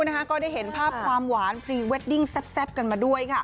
ก็ได้เห็นภาพความหวานพรีเวดดิ้งแซ่บกันมาด้วยค่ะ